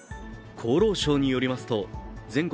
厚労省によりますと全国